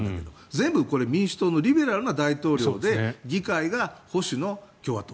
全部民主党のリベラルな大統領で議会が保守の共和党。